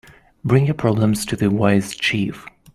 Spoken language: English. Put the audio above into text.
Bring your problems to the wise chief.